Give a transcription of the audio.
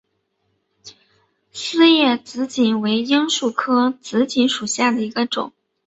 丝叶紫堇为罂粟科紫堇属下的一个种。